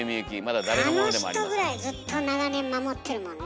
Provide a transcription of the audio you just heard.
あの人ぐらいずっと長年守ってるもんね